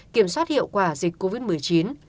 kiểm soát hiệu quả dịch covid một mươi chín